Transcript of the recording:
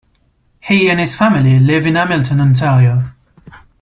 He and his family live in Hamilton, Ontario.